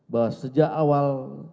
bahwa sejak awal